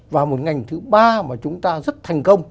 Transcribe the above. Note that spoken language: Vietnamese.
và một ngành thứ ba mà chúng ta rất thành công